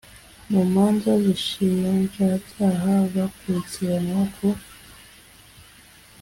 mu manza z inshinjabyaha bakurikiranwa ku